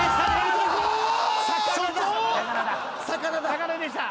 魚でした。